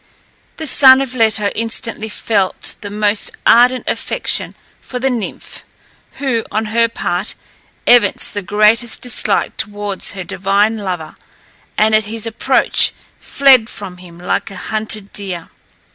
The son of Leto instantly felt the most ardent affection for the nymph, who, on her part, evinced the greatest dislike towards her divine lover, and, at his approach, fled from him like a hunted deer.